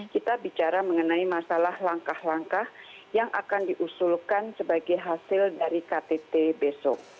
kita bicara mengenai masalah langkah langkah yang akan diusulkan sebagai hasil dari ktt besok